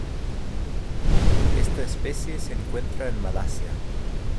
Esta especie se encuentra en Malasia.